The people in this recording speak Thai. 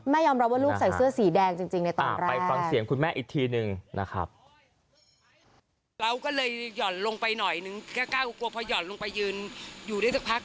แม่ยอมรับว่าลูกใส่เสื้อสีแดงจริงในตอนแรก